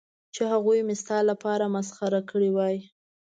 چې هغوی مې ستا لپاره مسخره کړې وای.